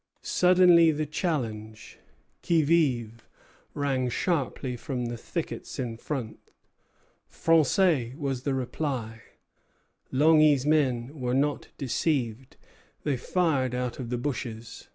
Suddenly the challenge, Qui vive! rang sharply from the thickets in front. Français! was the reply. Langy's men were not deceived; they fired out of the bushes.